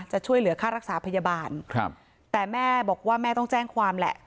จะช่วยเหลือค่ารักษาพยาบาลครับแต่แม่บอกว่าแม่ต้องแจ้งความแหละ